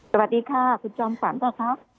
สวัสดีค่ะคุณจอมฝันพ่อครับ